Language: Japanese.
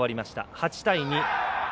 ８対２。